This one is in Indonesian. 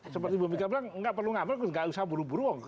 seperti ibu mega bilang nggak perlu ngambil nggak usah buru buru loh